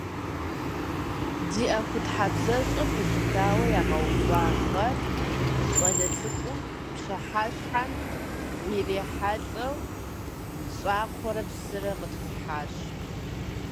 Ди ӀуэхутхьэбзащӀэ пэлъытэу ягъэува гъэр щӀалэ цӀыкӀум пщыхьэщхьэм ирихьэлӀэу щӀакхъуэрэ псырэ къытхуихьащ.